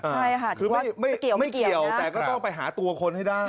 ใช่ค่ะคือไม่เกี่ยวแต่ก็ต้องไปหาตัวคนให้ได้